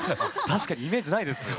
確かにイメージないですよ